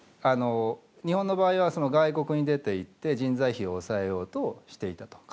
日本の場合は外国に出ていって人材費を抑えようとしていたとかつては。